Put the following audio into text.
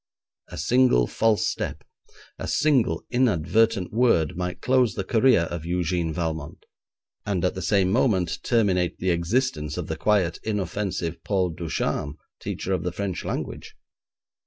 A single false step, a single inadvertent word, might close the career of Eugène Valmont, and at the same moment terminate the existence of the quiet, inoffensive Paul Ducharme, teacher of the French language.